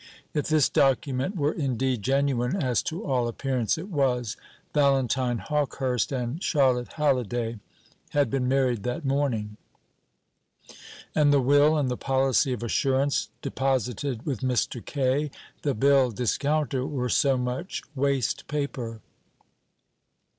If this document were indeed genuine, as to all appearance it was, Valentine Hawkehurst and Charlotte Halliday had been married that morning; and the will and the policy of assurance deposited with Mr. Kaye the bill discounter were so much waste paper.